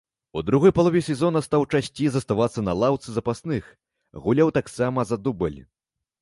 У другой палове сезона стаў часцей заставацца на лаўцы запасных, гуляў таксама за дубль.